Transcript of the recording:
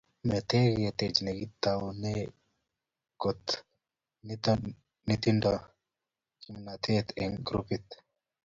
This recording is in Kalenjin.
Mete ketech nekitaune kot nitindo kimnatet eng grupit.